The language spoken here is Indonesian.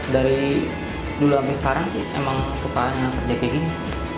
dari dulu sampai sekarang sih emang suka kerja kayak gini